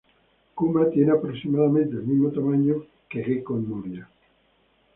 Kuma tiene aproximadamente el mismo tamaño que Gecko Moria.